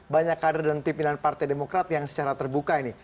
banyak kader dan pimpinan partai demokrat yang secara terbuka ini